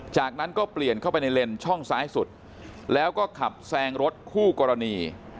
จากนั้นก็เปลี่ยนเข้าไปในเลนช่องซ้ายสุดแล้วก็ขับแซงรถคู่กรณี